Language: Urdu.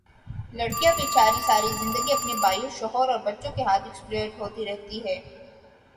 لڑکیاں بے چاری ساری زندگی اپنے بھائیوں، شوہر اور بچوں کے ہاتھوں ایکسپلائٹ ہوتی رہتی ہیں